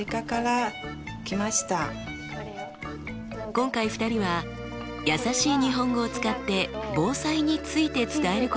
今回２人はやさしい日本語を使って防災について伝えることにしました。